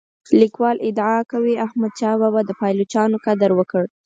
لیکوال ادعا کوي احمد شاه بابا د پایلوچانو قدر وکړ.